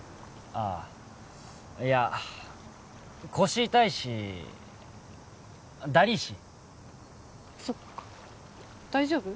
ああいや腰痛いしだりいしそっか大丈夫？